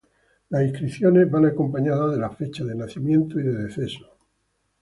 Las inscripciones van acompañadas de la fecha de nacimiento y de deceso.